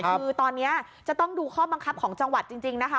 คือตอนนี้จะต้องดูข้อบังคับของจังหวัดจริงนะคะ